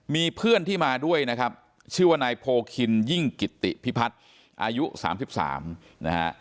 มีเพื่อนที่มาด้วยนะครับชื่อว่านายโพคินยิ่งกิตติพิพัฒน์อายุ๓๓นะฮะ